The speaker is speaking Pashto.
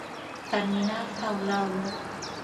ترمینال ته ولاړو.